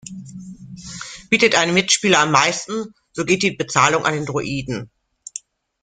Bietet ein Mitspieler am meisten, so geht die Bezahlung an den Druiden.